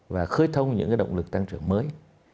và khơi thông những cái động lực tăng trưởng mới